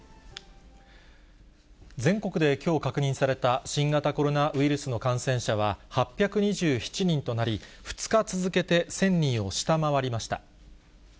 全国できょう確認された新型コロナウイルスの感染者は８２７人となり、２日続けて１０００人を下回りました。